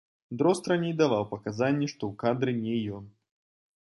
Дрозд раней даваў паказанні, што ў кадры не ён.